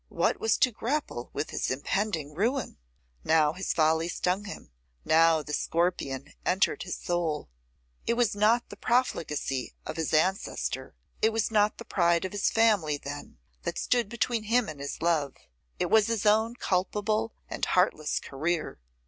what was to grapple with his impending ruin? Now his folly stung him; now the scorpion entered his soul. It was not the profligacy of his ancestor, it was not the pride of his family then, that stood between him and his love; it was his own culpable and heartless career!